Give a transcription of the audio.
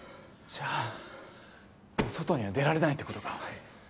じゃあ外には出られないってことか？